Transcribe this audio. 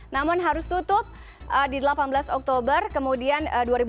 namun harus tutup di delapan belas oktober kemudian dua ribu dua puluh